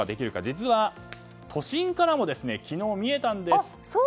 実は都心からも昨日見えたんです。